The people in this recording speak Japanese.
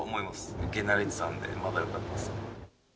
受け慣れてたんで、まだよかったですよね。